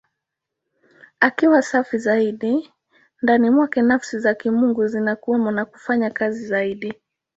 Akiwa safi zaidi, ndani mwake Nafsi za Kimungu zinakuwemo na kufanya kazi zaidi.